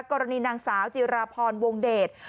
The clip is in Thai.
กรณีนางสาวจิราพรวงเดช